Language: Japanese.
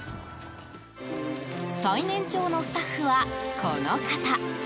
最年長のスタッフはこの方。